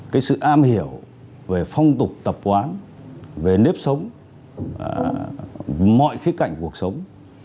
cái sự am hiểu về phong tục tập quán về nếp sống mọi khía cạnh cuộc sống